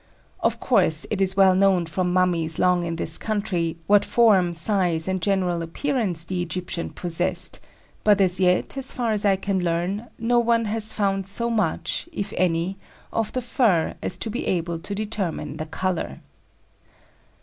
Of course, it is well known from mummies long in this country what form, size, and general appearance the Egyptian possessed; but as yet, as far as I can learn, no one has found so much, if any, of the fur as to be able to determine the colour.